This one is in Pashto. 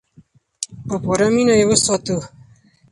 په پوره مینه یې وساتو.